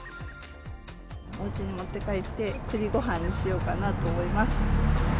おうちに持って帰って、くりごはんにしようかなと思います。